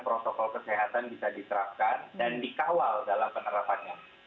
protokol kesehatan bisa diterapkan dan dikawal dalam penerapannya